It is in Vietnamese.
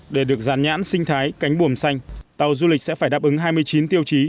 để được dàn nhãn sinh thái cánh buồm xanh tàu du lịch sẽ phải đáp ứng hai mươi chín tiêu chí